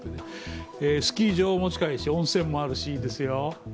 スキー場も近いし、温泉もあるしいいですよ。